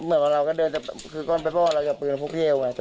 ตอนนั้นตอนนั้นเราก็เดินคือก้อนไปบ้อเราจะปืนพวกเที่ยวไง